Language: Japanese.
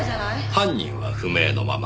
犯人は不明のまま。